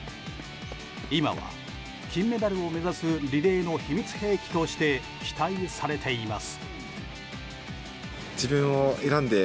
今は金メダルを目指すリレーの秘密兵器として期待されています。